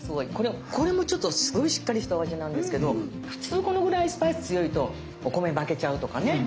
これもちょっとすごいしっかりしたお味なんですけど普通このぐらいスパイス強いとお米負けちゃうとかね